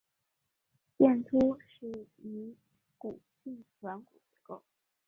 剑突是一骨性软骨结构。